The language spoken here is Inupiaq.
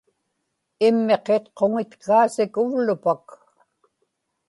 immiqitquŋitkaasik uvlupak